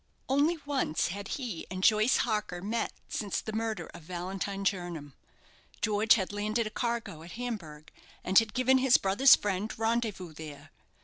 Only once had he and Joyce Harker met since the murder of Valentine Jernam. George had landed a cargo at Hamburg, and had given his brother's friend rendezvous there.